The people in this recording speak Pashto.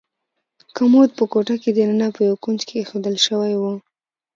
کمود په کوټه کې دننه په یو کونج کې ایښودل شوی و.